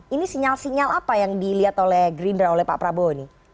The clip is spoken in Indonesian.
ini sinyal sinyal apa yang dilihat oleh gerindra oleh pak prabowo ini